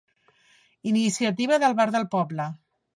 Iniciativa del bar del poble.